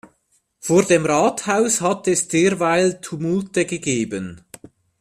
Vor dem Rathaus hat es derweil Tumulte gegeben.